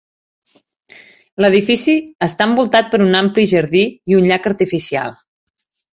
L'edifici està envoltat per un ampli jardí i un llac artificial.